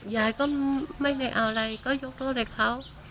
ยายก็ไม่ได้เอาอะไรก็ยกโทษให้เขา